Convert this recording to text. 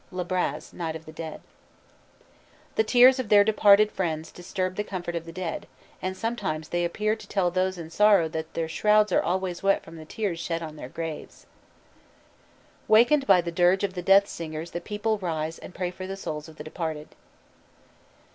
LE BRAZ: Night of the Dead. The tears of their deserted friends disturb the comfort of the dead, and sometimes they appear to tell those in sorrow that their shrouds are always wet from the tears shed on their graves. Wakened by the dirge of the death singers the people rise and pray for the souls of the departed.